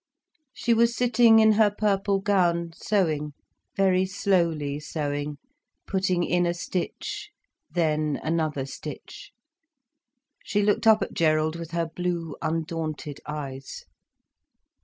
She was sitting in her purple gown, sewing, very slowly sewing, putting in a stitch then another stitch. She looked up at Gerald with her blue undaunted eyes.